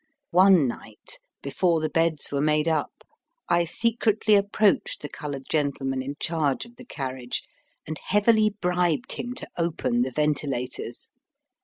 One night, before the beds were made up I secretly approached the coloured gentleman in charge of the carriage and heavily bribed him to open the ventilators.